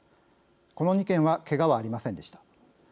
この２件はけがはありませんでした。